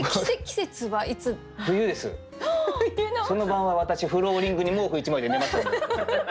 その晩は私フローリングに毛布１枚で寝ました。